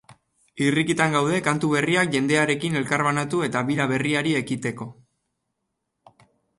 Irrikitan gaude kantu berriak jendearekin elkarbanatu eta bira berriari ekiteko.